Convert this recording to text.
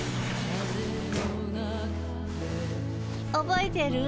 覚えてる？